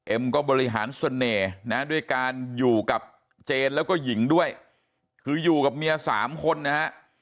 ก็บริหารเสน่ห์นะด้วยการอยู่กับเจนแล้วก็หญิงด้วยคืออยู่กับเมียสามคนนะฮะ